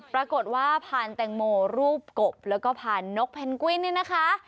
ปรากฏว่าผ่านแตงโมรูปกบแล้วก็ผ่านนกแพนกวินเนี่ยนะคะ